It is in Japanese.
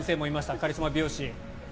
カリスマ美容師。